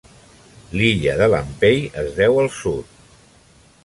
L'illa de Lampay es deu al sud.